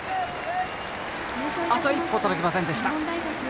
あと一歩、届きませんでした。